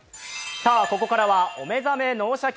ここからは「お目覚め脳シャキ！